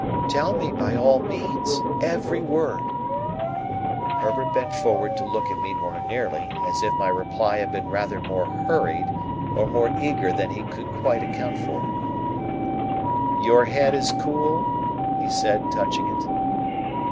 "Tell me by all means. Every word." Herbert bent forward to look at me more nearly, as if my reply had been rather more hurried or more eager than he could quite account for. "Your head is cool?" he said, touching it.